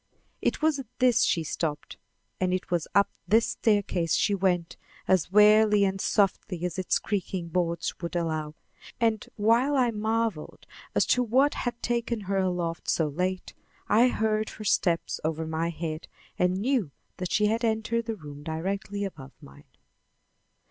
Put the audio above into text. It was at this she stopped and it was up this staircase she went as warily and softly as its creaking boards would allow; and while I marveled as to what had taken her aloft so late, I heard her steps over my head and knew that she had entered the room directly above mine.